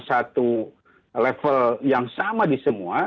satu level yang sama di semua